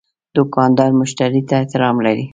دوکاندار مشتری ته احترام لري.